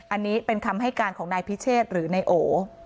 อันนี้เป็นคำให้การของนายพิเชษหรือนายโอ